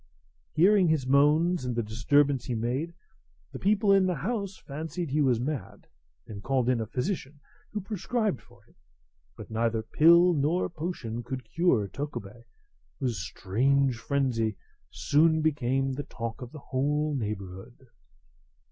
Hearing his moans and the disturbance he made, the people in the house fancied he was mad, and called in a physician, who prescribed for him. But neither pill nor potion could cure Tokubei, whose strange frenzy soon became the talk of the whole neighbourhood.